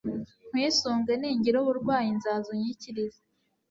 nkwisunge; ningira uburwayi, nzaza unyikirize